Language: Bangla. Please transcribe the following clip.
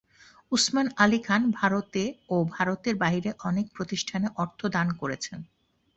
উসমান আলি খান ভারতে ও ভারতের বাইরে অনেক প্রতিষ্ঠানে অর্থ দান করেছেন।